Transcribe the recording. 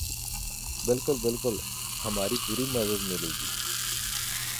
ਬਿਲਕੁਲ ਬਿਲਕੁਲ ਹਮਾਰੀ ਪੂਰੀ ਮਦਦ ਮਿਲੂਗੀ